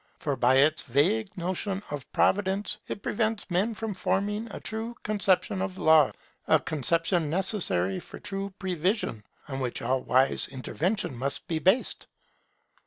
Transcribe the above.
For by its vague notion of Providence, it prevents men from forming a true conception of Law, a conception necessary for true prevision, on which all wise intervention must be based.